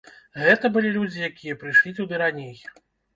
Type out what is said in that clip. Гэта былі людзі, якія прыйшлі туды раней.